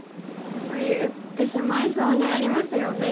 つい打ってしまいそうになりますよね。